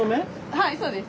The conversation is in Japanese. はいそうです。